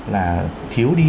là thiếu đi